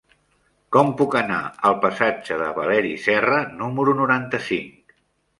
Com puc anar al passatge de Valeri Serra número noranta-cinc?